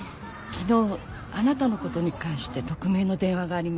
昨日あなたのことに関して匿名の電話がありました。